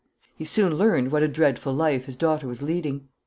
He soon learned what a dreadful life his daughter was leading.